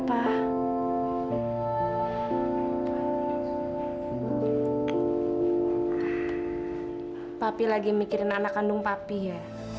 pak papi lagi mikirin anak kandung papi ya